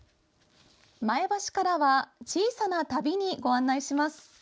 前橋からは小さな旅にご案内します。